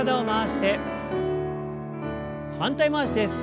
反対回しです。